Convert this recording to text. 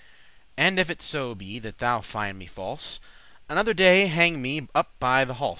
And if it so be that thou find me false, Another day hang me up by the halse."